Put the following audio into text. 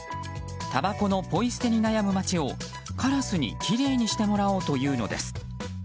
たばこのポイ捨てに悩む街をカラスにきれいにしてもらおうというのです。